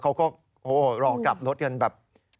เขาก็รอกลับรถกันแบบ